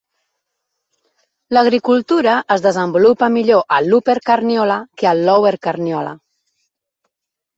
L"agricultura es desenvolupa millor a Upper Carniola que a Lower Carniola.